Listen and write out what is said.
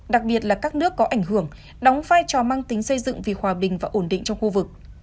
đặc biệt là các nước có ảnh hưởng đóng vai trò mang tính xây dựng vì hòa bình và ổn định trong khu vực